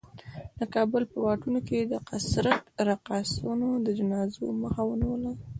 د کابل پر واټونو د قرصک رقاصانو د جنازو مخه ونیوله.